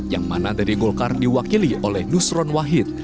yang mana dari golkar diwakili oleh nusron wahid